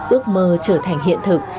ước mơ trở thành hiện thực